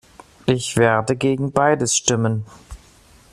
Ich werde gegen beides stimmen.